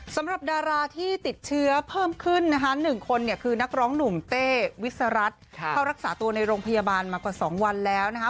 สำหรับดาราที่ติดเชื้อเพิ่มขึ้นนะคะ๑คนเนี่ยคือนักร้องหนุ่มเต้วิสรัฐเข้ารักษาตัวในโรงพยาบาลมากว่า๒วันแล้วนะคะ